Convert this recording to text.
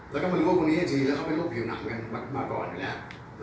แล้วก็มันรู้ว่าคนนี้จริงแล้วเขาไปรวบผิวหนังกันมาก่อนอยู่แล้ว